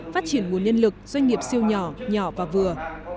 phát triển nguồn nhân lực doanh nghiệp siêu nhỏ nhỏ và vừa